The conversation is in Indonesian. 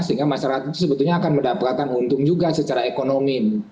sehingga masyarakat itu sebetulnya akan mendapatkan untung juga secara ekonomi